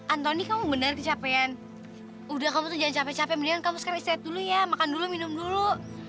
anthony kamu bener kecapean udah kamu jangan capek capek mendingan kamu sekalian istirahat dulu ya makan dulu minum dulu